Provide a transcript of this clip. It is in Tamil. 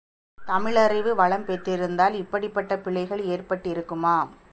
தமிழறிவு வளம்பெற்றிருந்தால், இப்படிப்பட்ட பிழைகள் ஏற்பட்டிருக்குமா?